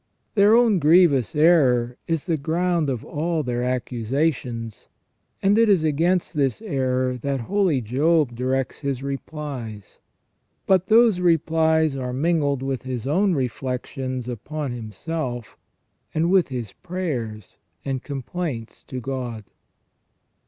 Their own grievous error is the ground of all their accusations, and it is AS UNVEILED IN THE BOOK OF JOB. 159 against this error that holy Job directs his replies. But those replies are mingled with his own reflections upon himself, and with his prayers and complaints to God.